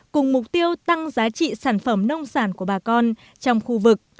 cùng mục tiêu tăng giá trị sản phẩm nông sản của bà con trong khu vực